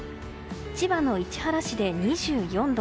千葉の市原市で２４度。